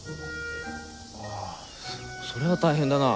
ああそそれは大変だな。